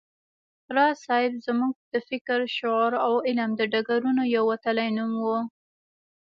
راز صيب زموږ د فکر، شعور او علم د ډګرونو یو وتلی نوم و